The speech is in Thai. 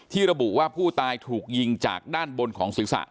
ระบุว่าผู้ตายถูกยิงจากด้านบนของศีรษะ